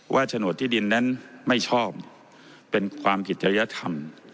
โฉนดที่ดินนั้นไม่ชอบเป็นความผิดจริยธรรม